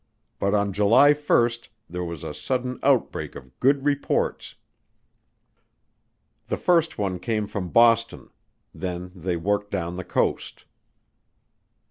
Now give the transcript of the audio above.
But on July 1 there was a sudden outbreak of good reports. The first one came from Boston; then they worked down the coast.